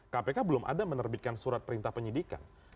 kpk belum ada menerbitkan surat perintah penyidikan